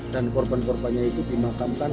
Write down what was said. dan korban korbannya itu dimakamkan